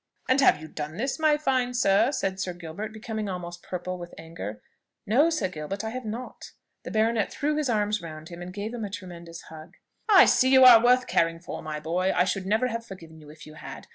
"And have you done this, my fine sir?" said Sir Gilbert, becoming almost purple with anger. "No, Sir Gilbert, I have not." The baronet threw his arms round him, and gave him a tremendous hug. "I see you are worth caring for, my boy; I should never have forgiven you if you had.